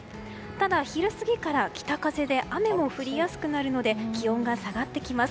ただ、昼過ぎから北風で雨も降りやすくなるので気温が下がってきます。